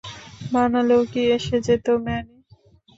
বানালেও কি এসে যেতো, ম্যানি?